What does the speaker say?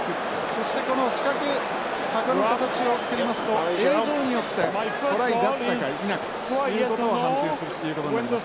そして四角箱の形を作りますと映像によってトライだったか否かということを判定するっていうことになります。